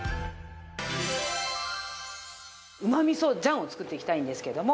うま味噌醤を作っていきたいんですけども。